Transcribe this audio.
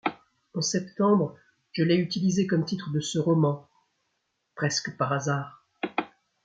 En septembre, je l’ai utilisé comme titre de ce roman. .. presque par hasard.